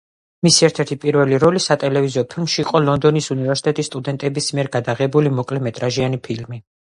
მისი ერთ-ერთი პირველი როლი სატელევიზიო ფილმში იყო ლონდონის უნივერსიტეტის სტუდენტების მიერ გადაღებული მოკლემეტრაჟიანი ფილმი.